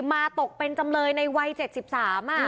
มาตกเป็นจำเลยในวัย๗๓อ่ะ